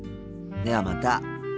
ではまた。